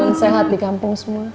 ya ampun sehat di kampung semua